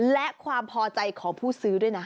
และความพอใจของผู้ซื้อด้วยนะ